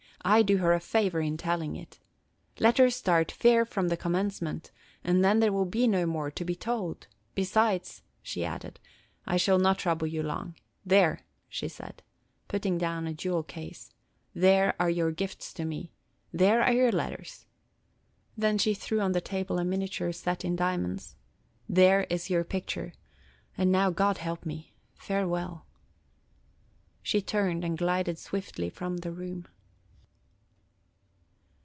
I do her a favor in telling it. Let her start fair from the commencement, and then there will be no more to be told. Besides," she added, "I shall not trouble you long. There," she said, putting down a jewel case, –" there are your gifts to me, – there are your letters." Then she threw on the table a miniature set in diamonds, "There is your picture. And now God help me! Farewell." She turned and glided swiftly from the room.